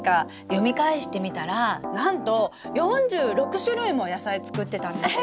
読み返してみたらなんと４６種類も野菜作ってたんですよ！